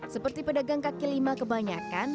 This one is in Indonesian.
seperti pedagang kaki lima kebanyakan